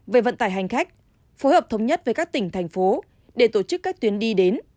về vận tải hành khách phối hợp thống nhất với các tỉnh thành phố để tổ chức các tuyến đi đến